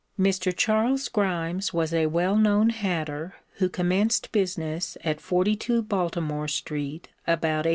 Mr. Charles Grimes was a well known hatter who commenced business at 42 Baltimore street about 1823.